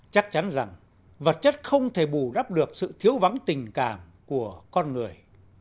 chắc chắn rằng vật chất không thể bù đắp được sự thiếu vắng tình cảm của con người